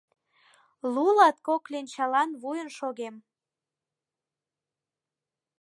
— Лу-латкок кленчалан вуйын шогем.